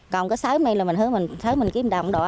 còn cái sớm này là mình hứa mình kiếm đồng đó